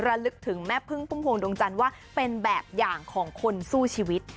ระลึกถึงแม่พึ่งพุ่มพวงดวงจันทร์ว่าเป็นแบบอย่างของคนสู้ชีวิต